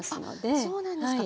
あそうなんですか。